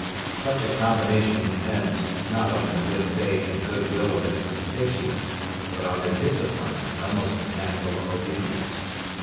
Such a combination depends, not on the good faith and good will of its constituents, but on their discipline and almost mechanical obedience.